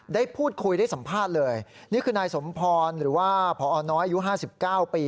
ได้พูดคุยได้สัมภาษณ์เลยนี่คือนายสมพรหรือว่าพอน้อยอายุ๕๙ปี